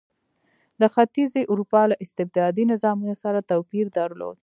د ختیځې اروپا له استبدادي نظامونو سره توپیر درلود.